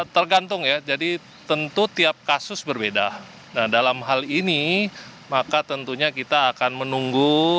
tergantung ya jadi tentu tiap kasus berbeda dalam hal ini maka tentunya kita akan menunggu